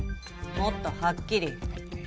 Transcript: もっとはっきり。